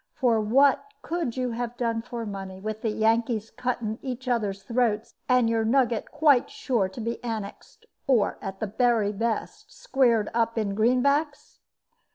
For what could you have done for money, with the Yankees cutting each other's throats, and your nugget quite sure to be annexed, or, at the very best, squared up in greenbacks?"